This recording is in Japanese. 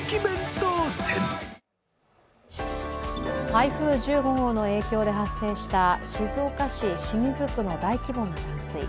台風１５号の影響で発生した静岡市清水区の大規模な断水。